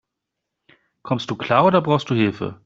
Kommst du klar, oder brauchst du Hilfe?